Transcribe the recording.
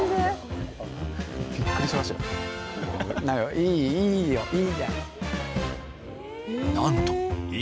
いいよ、いいじゃない。